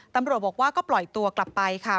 ตำรวจบอกว่าก็ปล่อยตัวกลับไปค่ะ